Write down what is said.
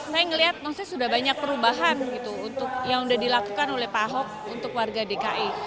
saya melihat maksudnya sudah banyak perubahan gitu untuk yang sudah dilakukan oleh pak ahok untuk warga dki